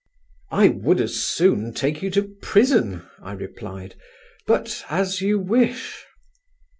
"I would as soon take you to prison," I replied; "but as you wish."